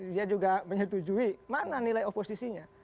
dia juga menyetujui mana nilai oposisinya